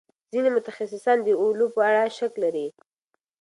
ځینې متخصصان د اولو په اړه شک لري.